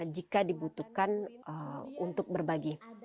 jika dibutuhkan untuk berbagi